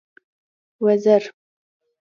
وزر.